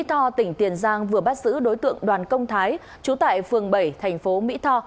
to tỉnh tiền giang vừa bắt giữ đối tượng đoàn công thái trú tại phường bảy thành phố mỹ tho